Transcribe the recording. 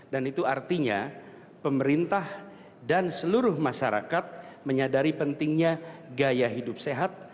dan itu artinya pemerintah dan seluruh masyarakat menyadari pentingnya gaya hidup sehat